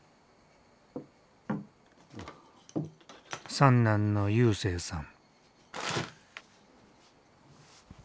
三男の勇征さん。